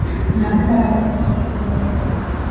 Ninapenda anavyoongea vizuri.